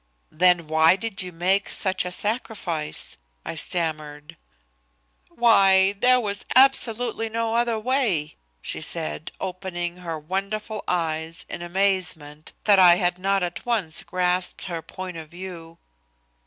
"Then why did you make such a sacrifice?" I stammered. "Why! There was absolutely no other way," she said, opening her wonderful eyes wide in amazement that I had not at once grasped her point of view.